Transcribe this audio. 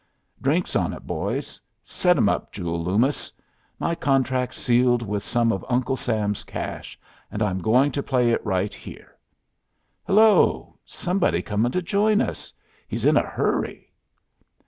Drinks on it, boys! Set 'em up, Joole Loomis. My contract's sealed with some of Uncle Sam's cash, and I'm going to play it right here. Hello! Somebody coming to join us? He's in a hurry."